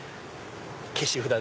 消し札で。